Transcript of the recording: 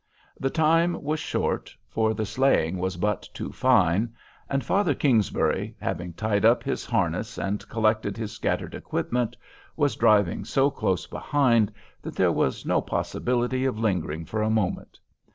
The time was short, for the sleighing was but too fine; and Father Kingsbury, having tied up his harness, and collected his scattered equipment, was driving so close behind that there was no possibility of lingering for a moment.